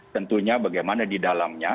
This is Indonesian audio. tentunya bagaimana di dalamnya